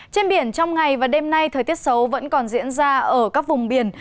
trên biển trong ngày và đêm nay thời tiết xấu vẫn còn diễn ra ở các vùng biển